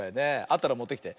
あったらもってきて。